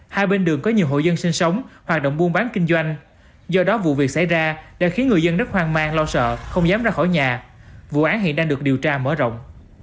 hai bên đường có nhiều hộ dân sinh sống hoạt động buôn bán kinh doanh do đó vụ việc xảy ra đã khiến người dân rất hoang mang lo sợ không dám ra khỏi nhà vụ án hiện đang được điều tra mở rộng